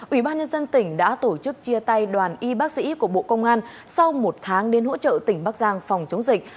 ủy ban nhân dân tỉnh đã tổ chức chia tay đoàn y bác sĩ của bộ công an sau một tháng đến hỗ trợ tỉnh bắc giang phòng chống dịch